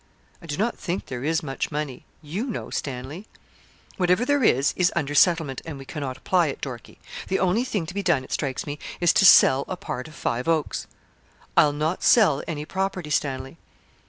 'I do not think there is much money. You know, Stanley.' 'Whatever there is, is under settlement, and we cannot apply it, Dorkie. The only thing to be done, it strikes me, is to sell a part of Five Oaks.' 'I'll not sell any property, Stanley.'